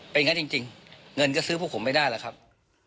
เป็นอย่างงั้นจริงเงินก็ซื้อผู้ข่มไม่ได้หรอกครับ